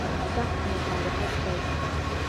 سخت مخالفت پیل شو.